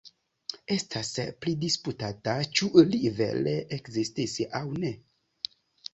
Estas pridisputata, ĉu li vere ekzistis aŭ ne.